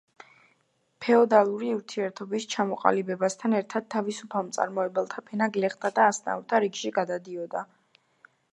ფეოდალური ურთიერთობის ჩამოყალიბებასთან ერთად თავისუფალ მწარმოებელთა ფენა გლეხთა ან აზნაურთა რიგში გადადიოდა.